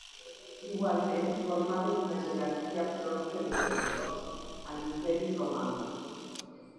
Igualment formaven una jerarquia pròpia de servidors a l'Imperi Romà.